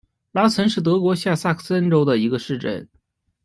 拉岑是德国下萨克森州的一个市镇。